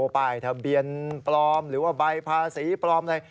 ป้ายทะเบียนปลอมหรือว่าใบภาษีปลอมอะไร